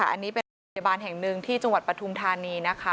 อันนี้เป็นโรงพยาบาลแห่งหนึ่งที่จังหวัดปฐุมธานีนะคะ